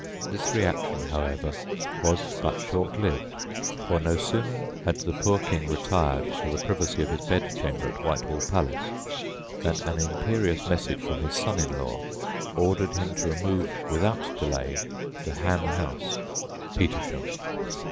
This reaction, however, was but short lived, for no sooner had the poor King retired to the privacy of his bed chamber at Whitehall Palace, than an imperious message from his son in law ordered him to remove without delay to Ham House, Petersham.